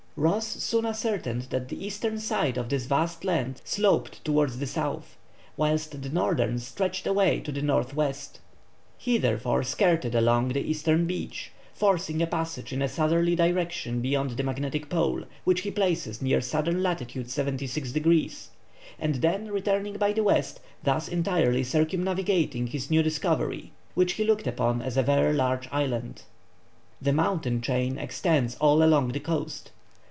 Ross soon ascertained that the eastern side of this vast land sloped towards the south, whilst the northern stretched away to the north west. He, therefore, skirted along the eastern beach, forcing a passage in a southerly direction beyond the magnetic pole, which he places near S. lat. 76 degrees, and then returning by the west, thus entirely circumnavigating his new discovery, which he looked upon as a very large island. The mountain chain extends all along the coast.